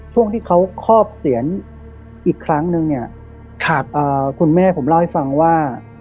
ช่วงที่เขาครอบเสียนอีกครั้งนึงเนี่ยคุณแม่ผมเล่าให้ฟังว่า